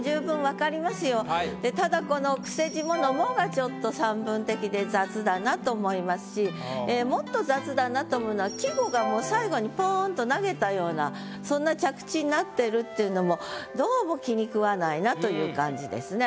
ただこの「くせ字も」の「も」がちょっとと思いますしもっと雑だなと思うのは季語がもう最後にポーンと投げたようなそんな着地になってるっていうのもという感じですね。